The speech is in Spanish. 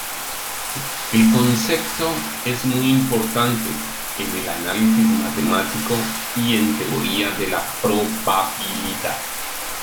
El concepto es muy importante en análisis matemático y en teoría de la probabilidad.